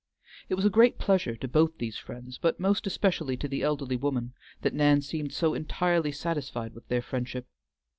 It was a great pleasure to both these friends, but most especially to the elderly woman, that Nan seemed so entirely satisfied with their friendship.